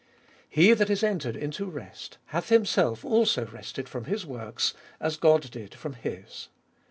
He that is entered into rest, hath himself also rested from his works, as God did from His.